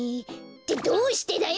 ってどうしてだよ！